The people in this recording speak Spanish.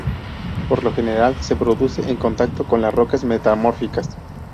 Por lo general se produce en contacto con las rocas metamórficas.